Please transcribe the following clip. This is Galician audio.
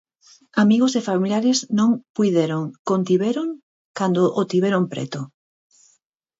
Amigos e familiares non puideron contiveron cando o tiveron preto.